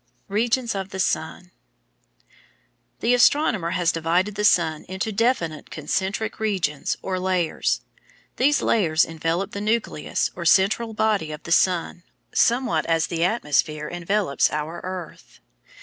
Regions of the Sun The astronomer has divided the sun into definite concentric regions or layers. These layers envelop the nucleus or central body of the sun somewhat as the atmosphere envelops our earth.